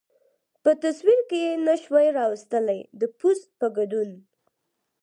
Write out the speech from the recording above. په تصور کې نه شوای را وستلای، د پوځ په ګډون.